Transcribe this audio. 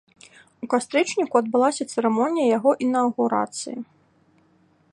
У кастрычніку адбылася цырымонія яго інаўгурацыі.